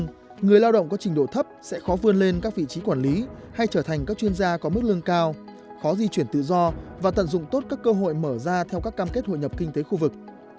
tuy nhiên người lao động có trình độ thấp sẽ khó vươn lên các vị trí quản lý hay trở thành các chuyên gia có mức lương cao khó di chuyển tự do và tận dụng tốt các cơ hội mở ra theo các cam kết hội nhập kinh tế khu vực